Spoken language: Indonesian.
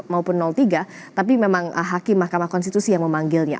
maupun tiga tapi memang hakim mahkamah konstitusi yang memanggilnya